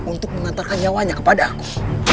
untuk mengantarkan nyawanya kepada aku